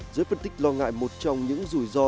giới phân tích lo ngại một trong những rủi ro